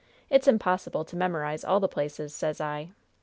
It's impossible to memorize all the places, sez I.